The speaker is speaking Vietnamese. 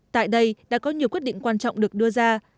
tại đây đã có nhiều quyết định quan trọng được đưa ra